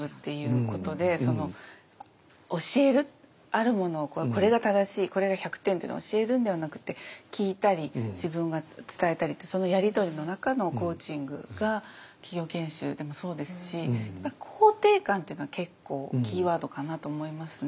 教えるあるものをこれが正しいこれが１００点というのを教えるんではなくて聞いたり自分が伝えたりってそのやり取りの中のコーチングが企業研修でもそうですし肯定感というのは結構キーワードかなと思いますね。